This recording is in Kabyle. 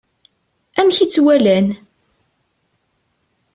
Amek i tt-walan?